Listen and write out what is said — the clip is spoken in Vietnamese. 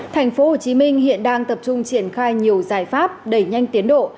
thành phố hồ chí minh hiện đang tập trung triển khai nhiều giải pháp đẩy nhanh tiến độ